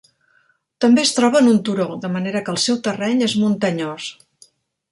També es troba en un turó, de manera que el seu terreny és muntanyós.